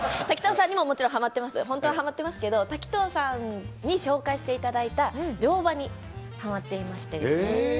滝藤さんにももちろんはまってます、本当はハマってますけど、滝藤さんに紹介していただいた乗馬にハマっていまして。